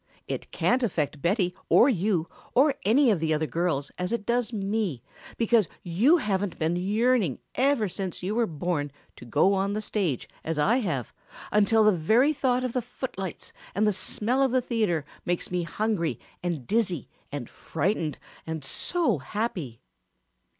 It can't affect Betty or you or any of the other girls as it does me, because you haven't been yearning ever since you were born to go on the stage as I have until the very thought of the footlights and the smell of the theater makes me hungry and dizzy and frightened and so happy!"